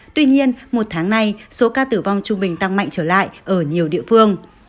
tuy nhiên một tháng nay số ca tử vong trung bình tăng mạnh trở lại ở nhiều địa phương